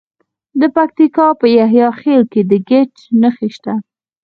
د پکتیکا په یحیی خیل کې د ګچ نښې شته.